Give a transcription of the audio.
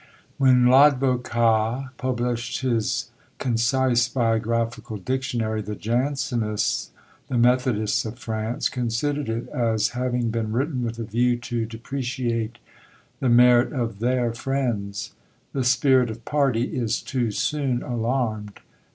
When L'Advocat published his concise Biographical Dictionary, the Jansenists, the methodists of France, considered it as having been written with a view to depreciate the merit of their friends. The spirit of party is too soon alarmed.